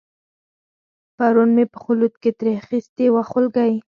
پرون مې په خلوت کې ترې اخیستې وه خولګۍ